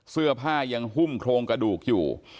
เสื้อผ้ายังหุ้มโครงกระดูกอยู่